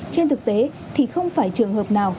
trên thực tế thì không phải trường hợp nào